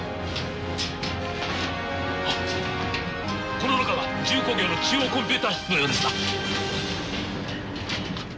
この中は重工業の中央コンピューター室のようですな。